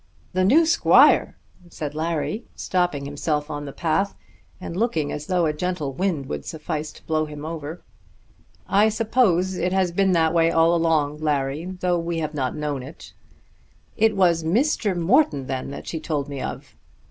"The new squire!" said Larry, stopping himself on the path, and looking as though a gentle wind would suffice to blow him over. "I suppose it has been that way all along, Larry, though we have not known it." "It was Mr. Morton then that she told me of?"